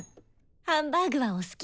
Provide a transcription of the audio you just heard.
ハンバーグはお好き？